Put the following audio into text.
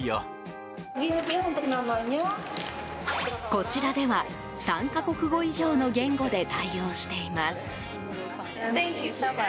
こちらでは３か国語以上の言語で対応しています。